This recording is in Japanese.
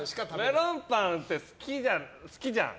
メロンパンって好きじゃん。